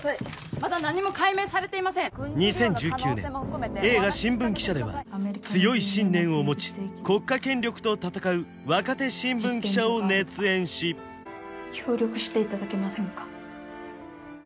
まだ何も解明されていません２０１９年映画「新聞記者」では強い信念を持ち国家権力と闘う若手新聞記者を熱演し協力していただけませんか？